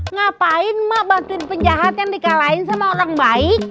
ngapain mak bantuin penjahat kan dikalahin sama orang baik